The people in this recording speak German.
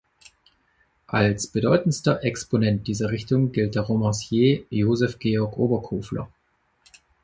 Als bedeutendster Exponent dieser Richtung gilt der Romancier Joseph Georg Oberkofler.